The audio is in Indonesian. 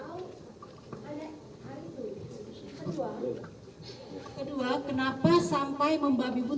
oke jadi kenapa anda selalu terus nafas juga